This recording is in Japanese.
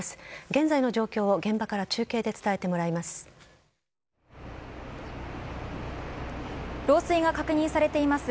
現在の状況を現場から中継で伝えてもらいます。